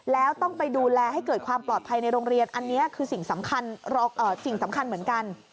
แล้วต้องไปดูแลให้เกิดความปลอดภัยในโรงเรียนอันนี้คือสิ่งสำคัญสิ่งสำคัญเหมือนกัน